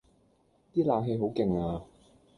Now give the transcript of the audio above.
啲冷氣好勁呀